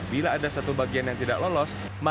bila ada satu bagian yang tidak lolos maka tidak dikendalikan